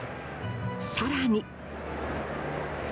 更に。